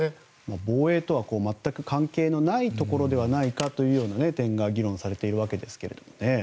防衛とは全く関係のないところではないかという点が議論されているわけですね。